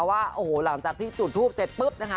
แล้วปรากฏว่าหลังจากที่จุดทูปเสร็จ